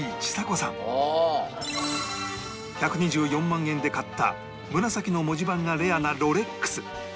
１２４万円で買った紫の文字盤がレアなロレックス